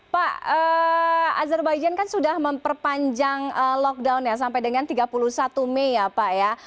pak azerbaijan kan sudah memperpanjang lockdown ya sampai dengan tiga puluh satu mei ya pak ya